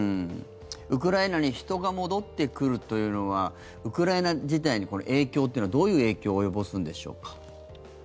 ウクライナに人が戻ってくるというのはウクライナ自体に影響というのはどういう影響を及ぼすのでしょうか。